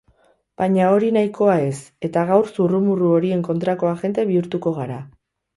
Baina hori nahikoa ez, eta gaur zurrumurru horien kontrako agente bihurtuko gara.